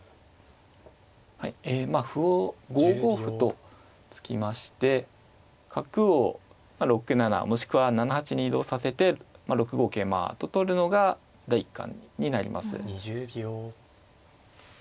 はいえまあ歩を５五歩と突きまして角を６七もしくは７八に移動させて６五桂馬と取るのが第一感になります。